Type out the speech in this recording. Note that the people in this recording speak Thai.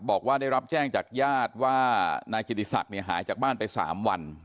บอกว่าได้รับแจ้งจากญาติว่านายกิติศักดิ์หายจากบ้านไป๓วัน